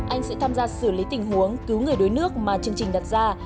anh sẽ tham gia xử lý tình huống cứu người đuối nước mà chương trình đặt ra